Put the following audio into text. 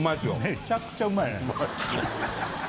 めちゃくちゃうまいね